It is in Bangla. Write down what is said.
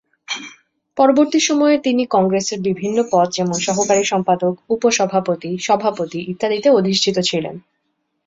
পরবর্তী সময়ে তিনি কংগ্রেসের বিভিন্ন পদ যেমন সহকারী সম্পাদক, উপ-সভাপতি, সভাপতি ইত্যাদিতে অধিষ্ঠিত ছিলেন।